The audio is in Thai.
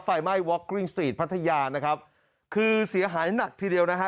ไฟไหม้ว็อกกริ้งสตรีทพัทยานะครับคือเสียหายหนักทีเดียวนะฮะ